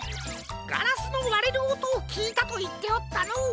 ガラスのわれるおとをきいたといっておったのう。